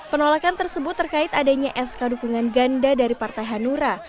penolakan tersebut terkait adanya sk dukungan ganda dari partai hanura